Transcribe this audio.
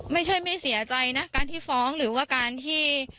ไม่ใช่ไม่เสียใจนะการที่ฟ้องหรือว่าการที่